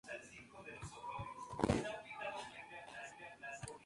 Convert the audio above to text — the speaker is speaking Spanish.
Cerca de Infiesto se encuentra el conocido Santuario de la Virgen de la Cueva.